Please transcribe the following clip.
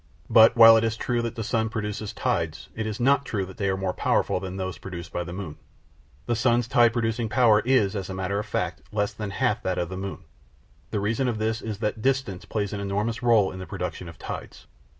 But while it is true that the sun produces tides, it is not true that they are more powerful than those produced by the moon. The sun's tide producing power is, as a matter of fact, less than half that of the moon. The reason of this is that distance plays an enormous rôle in the production of tides.